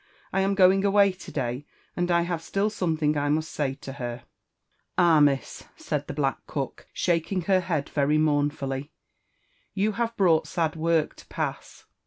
— I am going away to day, aad I have §Uli something I must say to her." Ah, Miss ! said the bladk oook rttaking her hfb$A very momm^ fully, you have brought sad work to pass.